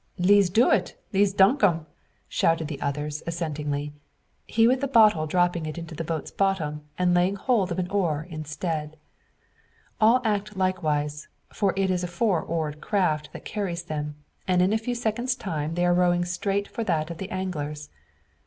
"Le's do it! Le's duck 'em!" shouted the others, assentingly; he with the bottle dropping it into the boat's bottom, and laying hold of an oar instead. All act likewise, for it is a four oared craft that carries them; and in a few seconds' time they are rowing it straight for that of the angler's.